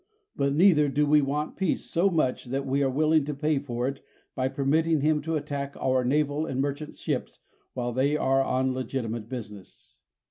But neither do we want peace so much, that we are willing to pay for it by permitting him to attack our naval and merchant ships while they are on legitimate business.